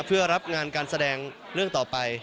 เพื่อรับงานการแสดงเรื่องต่อไป